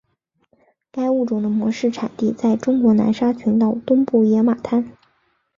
该物种的模式产地在中国南沙群岛东部野马滩。